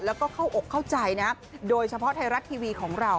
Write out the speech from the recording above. แล้วก็เข้าอกเข้าใจนะโดยเฉพาะไทยรัฐทีวีของเรา